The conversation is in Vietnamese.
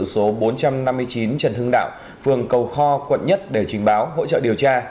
số bốn trăm năm mươi chín trần hưng đạo phường cầu kho quận một để trình báo hỗ trợ điều tra